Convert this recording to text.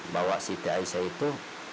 bahwa siti aisyah itu